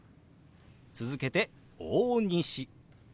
続けて「大西」。